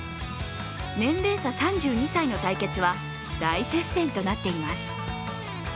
年齢差３２歳の対決は、大接戦となっています。